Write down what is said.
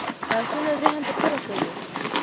لاسونه ذهن ته څه رسوي